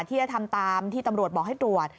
ที่จะทำตามที่ตำรวจบอกให้ตรวจ